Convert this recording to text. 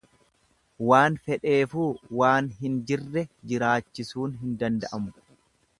Waan fedheefuu waan hin jirre jiraachisuun hin danda'amu.